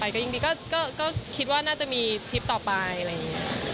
ก็ยิ่งดีก็คิดว่าน่าจะมีทริปต่อไปอะไรอย่างนี้